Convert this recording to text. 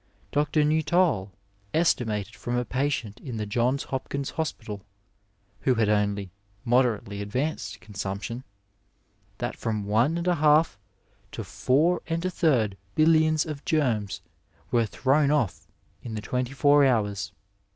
Dr. Nuttall esti mated from a patient in the Johns Hopkins Hospital, who had only moderately advanced consumption, that from one and a half to four and a third billions of germs were thrown off in the twenty four hours.